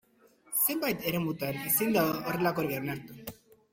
Zenbait eremutan ezin da horrelakorik onartu.